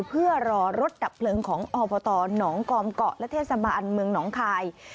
เพื่อรอรถดับเพลิงของอบตหนองกอมเกาะและเทศบาลเมืองหนองคาย